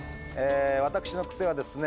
私のクセはですね